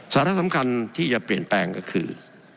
สาระสำคัญที่จะเปลี่ยนแปลงก็คือ